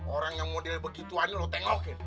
orang yang model begituan lo tengokin